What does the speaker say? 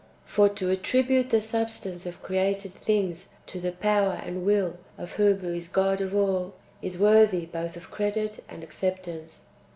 4. For, to attribute the substance of created things to the power and will of Him who is God of all, is worthy both of credit and acceptance.